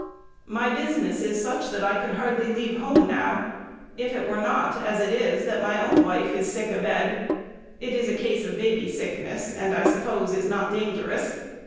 My business is such that I could hardly leave home now, if it were not, as it is, that my own wife is sick a bed. (It is a case of baby sickness, and, I suppose, is not dangerous.)